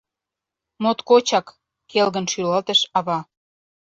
— Моткочак, — келгын шӱлалтыш ава.